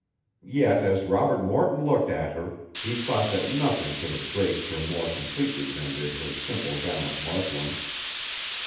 Yet as Robert Morton looked at her, he thought that nothing could have graced her more completely than did her simple gown of muslin.